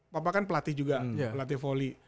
papa kan pelatih juga pelatih voli